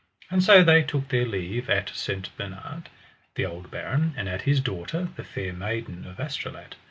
And so they took their leave at Sir Bernard, the old baron, and at his daughter, the Fair Maiden of Astolat.